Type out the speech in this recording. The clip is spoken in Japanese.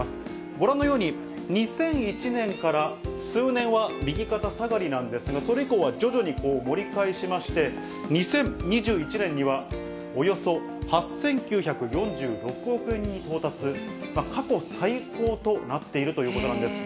ご覧のように、２００１年から数年は右肩下がりなんですが、それ以降は徐々に盛り返しまして、２０２１年にはおよそ８９４６億円に到達、過去最高となっているということなんです。